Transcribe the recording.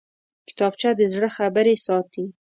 کتابچه د زړه خبرې ساتي